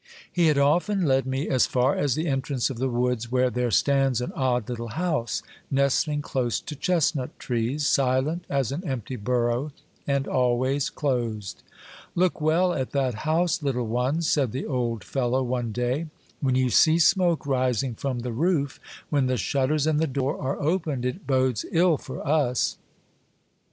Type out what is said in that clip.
He had often led me as far as the entrance of the woods, where there stands an odd little house, nestling close to chestnut trees, silent as an empty burrow, and always closed. Look well at that house, little one," said the old fellow one day ;'' when you see smoke rising from the roof, when the shutters and the door are opened, it bodes ill for us."